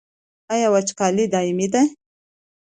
آیا وچکالي دایمي ده؟